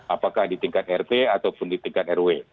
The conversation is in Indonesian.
apakah di tingkat rt ataupun di tingkat rw